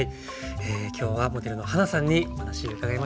今日はモデルのはなさんにお話を伺いました。